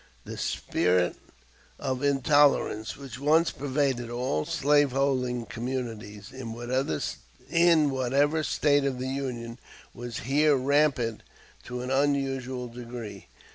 The spirit of intolerance which once pervaded all slaveholding communities, in whatever State of the Union, was here rampant to an unusual degree.